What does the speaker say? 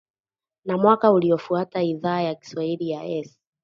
Na mwaka uliofuata Idhaa ya Kiswahili ya S